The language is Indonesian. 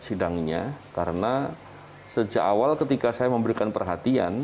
saya tidak melihat sidangnya karena sejak awal ketika saya memberikan perhatian